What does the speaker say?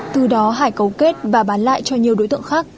từ đó hải cấu kết và bán lại cho nhiều đối tượng khác